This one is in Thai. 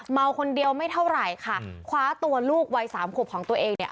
เมาคนเดียวไม่เท่าไหร่ค่ะคว้าตัวลูกวัยสามขวบของตัวเองเนี่ย